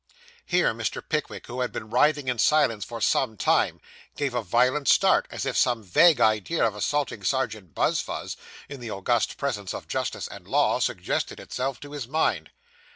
Here Mr. Pickwick, who had been writhing in silence for some time, gave a violent start, as if some vague idea of assaulting Serjeant Buzfuz, in the august presence of justice and law, suggested itself to his mind.